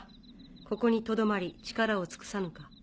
ここにとどまり力を尽くさぬか？